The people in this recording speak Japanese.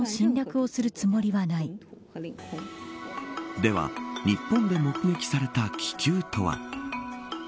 では日本で目撃された気球とは。